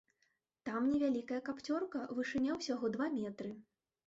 Там невялікая капцёрка, вышыня ўсяго два метры.